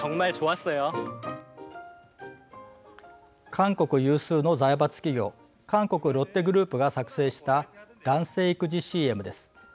韓国有数の財閥企業「韓国ロッテグループ」が作成した男性育児ＣＭです。